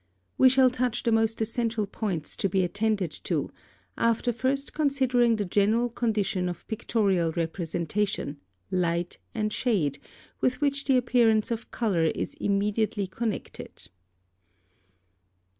We shall touch the most essential points to be attended to after first considering the general condition of pictorial representation, light and shade, with which the appearance of colour is immediately connected.